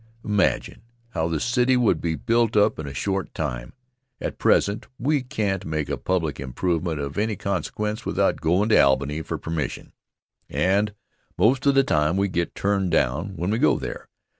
Imagine how the city would be built up in a short time! At present we can't make a public improvement of any consequence without goin' to Albany for permission, and most of the time we get turned down when we go there.